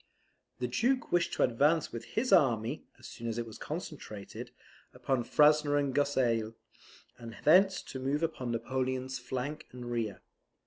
The Duke wished to advance with his army (as soon as it was concentrated) upon Frasne and Gosselies, and thence to move upon Napoleon's flank and rear.